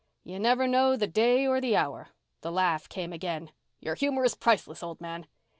"You never know the day or the hour." The laugh came again. "You're humor is priceless, old man."